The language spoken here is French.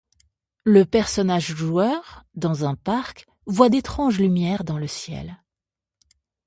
Le personnage-joueur, dans un parc, voit d'étranges lumières dans le ciel.